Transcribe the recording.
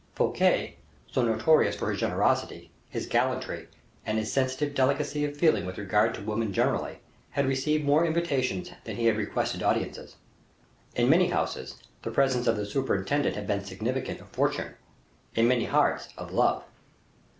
Fouquet, so notorious for his generosity, his gallantry, and his sensitive delicacy of feeling with regard to women generally, had received more invitations than he had requested audiences. In many houses, the presence of the superintendent had been significant of fortune; in many hearts, of love.